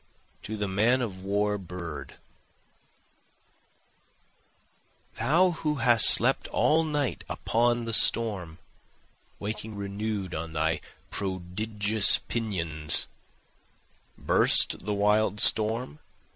To the Man of War Bird Thou who hast slept all night upon the storm, Waking renew'd on thy prodigious pinions, (Burst the wild storm?